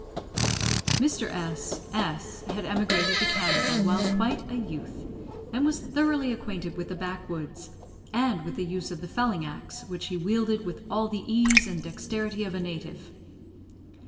Mr. S S had emigrated to Canada while quite a youth, and was thoroughly acquainted with the backwoods, and with the use of the felling axe, which he wielded with all the ease and dexterity of a native.